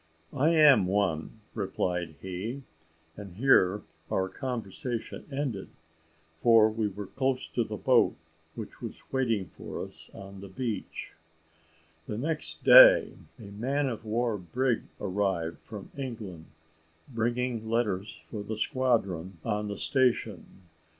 "I am one," replied he. And here our conversation ended, for we were close to the boat, which was waiting for us on the beach. The next day a man of war brig arrived from England, bringing letters for the squadron on the station.